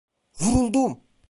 Vuruldum!